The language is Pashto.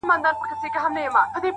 ټوله ژوند مي سترګي ډکي له خیالونو؛